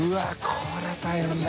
これ大変だ。